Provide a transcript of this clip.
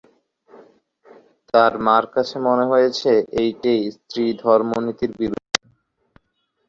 তার মার কাছে মনে হয়েছে, এইটেই স্ত্রীধর্মনীতির বিরুদ্ধ।